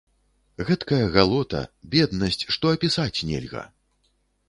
Гэткая галота, беднасць, што апісаць нельга!